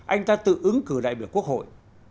anh ta tự ứng cử đại biểu quốc hội